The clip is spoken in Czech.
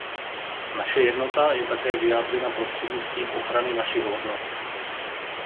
Naše jednota je také vyjádřena prostřednictvím ochrany našich hodnot.